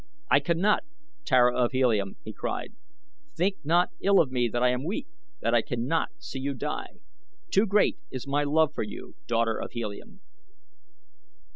"I cannot, Tara of Helium," he cried. "Think not ill of me that I am weak that I cannot see you die. Too great is my love for you, daughter of Helium."